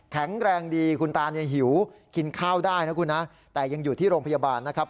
แข็งแรงดีคุณตาเนี่ยหิวกินข้าวได้นะคุณนะแต่ยังอยู่ที่โรงพยาบาลนะครับ